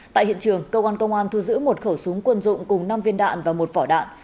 tại hiện trường cơ quan công an thu giữ một khẩu súng quân dụng cùng năm viên đạn và một vỏ đạn